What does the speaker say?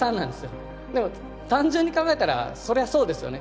でも単純に考えたらそりゃそうですよね。